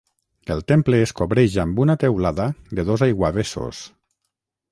El temple es cobreix amb una teulada de dos aiguavessos.